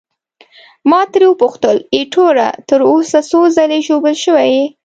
ما ترې وپوښتل: ایټوره، تر اوسه څو ځلي ژوبل شوی یې؟